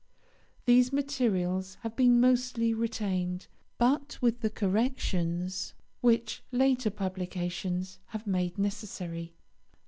These materials have been mostly retained, but with the corrections which later publications have made necessary.